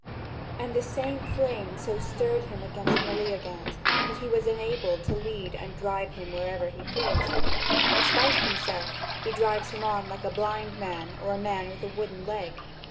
And this same flame so stirred him against Meleagant that he was enabled to lead and drive him wherever he pleased. In spite of himself he drives him on like a blind man or a man with a wooden leg.